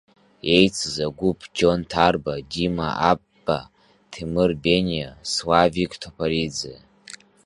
Еицыз агәыԥ Џьон Ҭарба, Дима Аппба, Ҭемыр Бениа, Славик Ҭопориӡе.